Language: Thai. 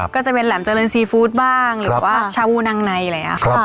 ก็จะเป็นแหลมเจริญซีฟู้ดบ้างหรือว่าชาวูนังในอะไรอย่างนี้ค่ะ